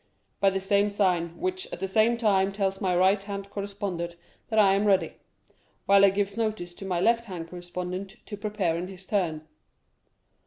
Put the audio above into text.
"By the same sign, which, at the same time, tells my right hand correspondent that I am ready, while it gives notice to my left hand correspondent to prepare in his turn."